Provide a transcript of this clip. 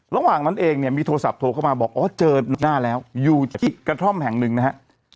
ระหว่างนั้นเองเนี่ยมีโทรศัพท์โทรเข้ามาบอกอ๋อเจอหน้าแล้วอยู่ที่กระท่อมแห่งหนึ่งนะฮะ